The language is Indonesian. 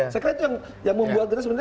saya kira itu yang membuatnya sebenarnya